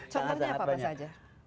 contohnya apa pak sajah